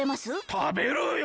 たべるよ。